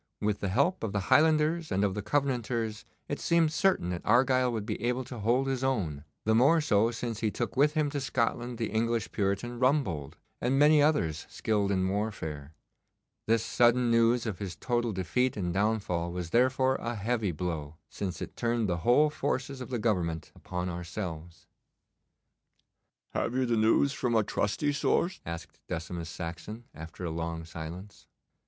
With the help of the Highlanders and of the Covenanters it seemed certain that Argyle would be able to hold his own, the more so since he took with him to Scotland the English Puritan Rumbold, and many others skilled in warfare. This sudden news of his total defeat and downfall was therefore a heavy blow, since it turned the whole forces of the Government upon ourselves. 'Have you the news from a trusty source?' asked Decimus Saxon, after a long silence.